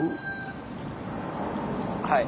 はい。